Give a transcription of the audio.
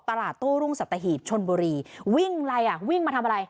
ตลาดโต้รุ่งสัตว์ตะหิตชนบุรีวิ่งไล่อ่ะวิ่งมาทำอะไร